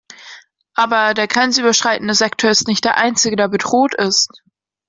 Aber der grenzüberschreitende Sektor ist nicht der einzige, der bedroht ist.